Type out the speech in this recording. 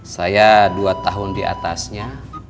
saya dua tahun diatasnya